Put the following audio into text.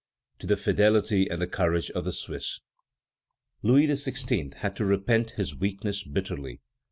To the fidelity and courage of the Swiss. Louis XVI. had to repent his weakness bitterly.